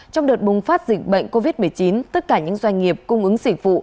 trong đợt bùng phát dịch bệnh covid một mươi chín tất cả những doanh nghiệp cung ứng sỉ phụ